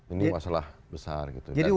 ini masalah besar